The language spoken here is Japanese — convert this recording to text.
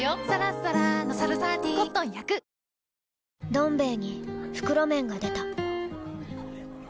「どん兵衛」に袋麺が出た